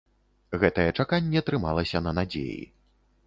Гэтае чаканне трымалася на надзеі.